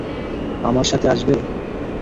আমার সাথে আসবে!